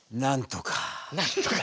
なんとか。